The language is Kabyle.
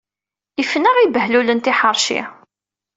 Ifen-aɣ ibehlulen tiḥḥeṛci.